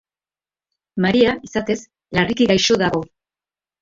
Maria, izatez, larriki gaixo dago.